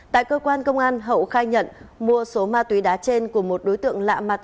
tại cơ quan công an hậu khai nhận mua số ma túy đá trên của một đối tượng lạ mặt